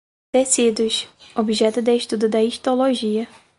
Tecidos: objeto de estudo da histologia